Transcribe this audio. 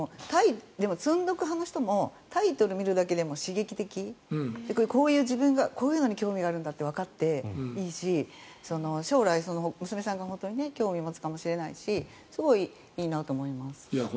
でも積んどく派の人もタイトルを見るだけでも刺激的こういうのに興味があるんだってわかっていいし将来、娘さんが興味を持つかもしれないしすごくいいなと思います。